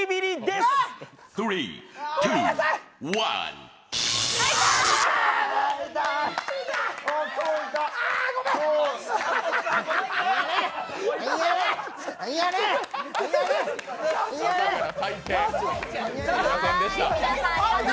すいませんでした。